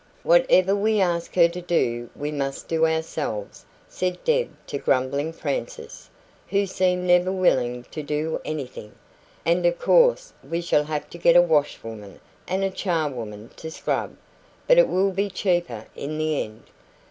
"Whatever we ask her to do we must do ourselves," said Deb to grumbling Frances, who seemed never willing to do anything; "and of course we shall have to get a washwoman, and a charwoman to scrub; but it will be cheaper in the end.